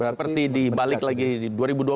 seperti dibalik lagi di dua ribu dua puluh